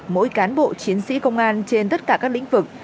mỗi cán bộ chiến sĩ công an trên tất cả các lĩnh vực